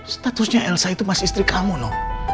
statusnya yelza itu masih istri kamu no